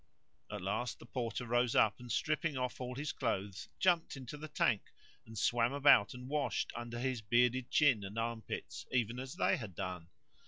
At last the Porter rose up, and stripping off all his clothes, jumped into the tank and swam about and washed under his bearded chin and armpits, even as they had done.